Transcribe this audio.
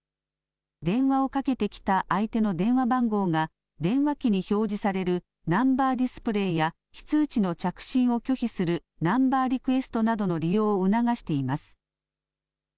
電話をかけてきた相手の電話番号が電話機に表示されるナンバー・ディスプレイや、非通知の着信を拒否する、ナンバー・リクエストなどの利用を促しています。